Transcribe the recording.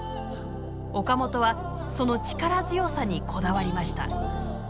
岡本はその力強さにこだわりました。